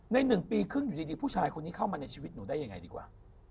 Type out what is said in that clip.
๑ปีครึ่งอยู่ดีผู้ชายคนนี้เข้ามาในชีวิตหนูได้ยังไงดีกว่า